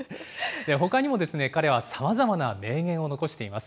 ほかにも、彼はさまざまな名言を残しています。